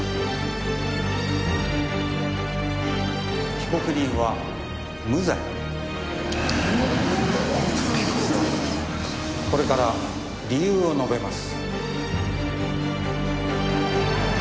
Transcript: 「被告人は無罪」これから理由を述べます。